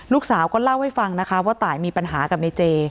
ลูกสาวก็เล่าให้ฟังนะคะว่าตายมีปัญหากับในเจ